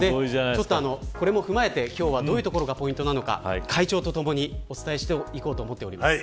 これも踏まえて、今日はどういうところがポイントなのか会長とともにお伝えしていこうと思っています。